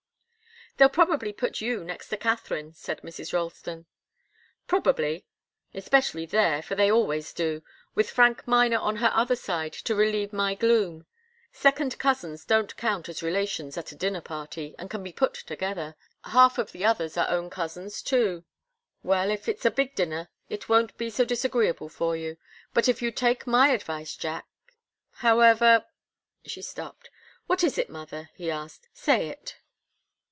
"They'll probably put you next to Katharine," said Mrs. Ralston. "Probably especially there, for they always do with Frank Miner on her other side to relieve my gloom. Second cousins don't count as relations at a dinner party, and can be put together. Half of the others are own cousins, too." "Well, if it's a big dinner it won't be so disagreeable for you. But if you'd take my advice, Jack however " She stopped. "What is it, mother?" he asked. "Say it."